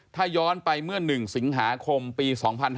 ถ้าย้อนไปเมื่อ๑สิงหาคมปี๒๕๕๙